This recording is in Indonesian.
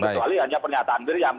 kecuali hanya pernyataan beriam